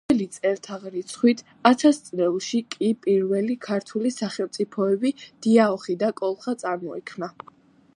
ძვწ ათასწლეულში კი პირველი ქართული სახელმწიფოები დიაოხი და კოლხა წარმოიქმნა